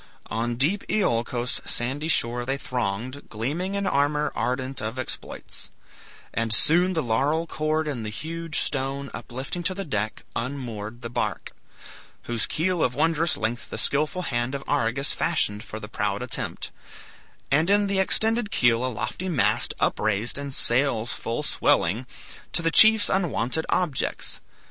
On deep Iolcos' sandy shore they thronged, Gleaming in armor, ardent of exploits; And soon, the laurel cord and the huge stone Uplifting to the deck, unmoored the bark; Whose keel of wondrous length the skilful hand Of Argus fashioned for the proud attempt; And in the extended keel a lofty mast Upraised, and sails full swelling; to the chiefs Unwonted objects.